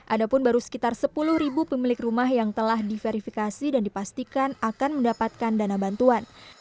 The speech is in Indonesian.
ada pun baru sekitar sepuluh ribu pemilik rumah yang telah diverifikasi dan dipastikan akan mendapatkan dana bantuan